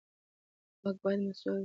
واک باید مسوول وي